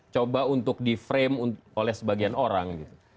coba untuk di frame oleh sebagian orang gitu